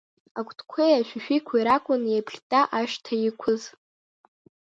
Акәтқәеи ашәишәиқәеи ракәын иеиԥхьытта ашҭа иқәыз.